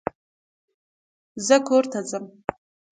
زه کور ته ځم.